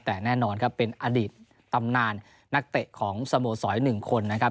แต่แน่นอนครับเป็นอดีตตำนานนักเตะของสโมสร๑คนนะครับ